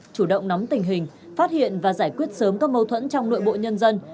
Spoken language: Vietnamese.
chủ động nắm tình hình phát hiện và giải quyết sớm các mâu thuẫn trong nội bộ nhân dân